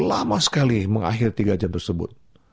lama sekali mengakhiri tiga jam tersebut